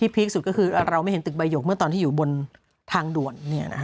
พีคสุดก็คือเราไม่เห็นตึกใบหยกเมื่อตอนที่อยู่บนทางด่วน